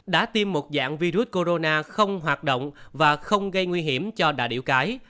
đã tiêm một dạng virus corona không hoạt động và không gây nguy hiểm cho đà điểu cái